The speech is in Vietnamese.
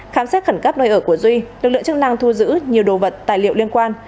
khám xét khẩn cấp nơi ở của duy lực lượng chức năng thu giữ nhiều đồ vật tài liệu liên quan